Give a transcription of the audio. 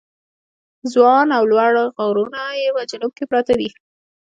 ځوان او لوړ غرونه یې په جنوب کې پراته دي.